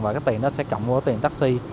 và cái tiền đó sẽ cộng với tiền taxi